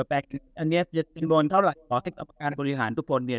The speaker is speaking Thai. แปลกอันเนี้ยเยอะมน์เท่าไรอ๋อคุณมาการบริหารทุกคนเนี้ย